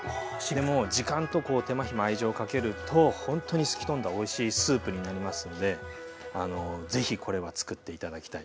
でも時間と手間暇愛情をかけるとほんとに透き通ったおいしいスープになりますんで是非これはつくって頂きたい。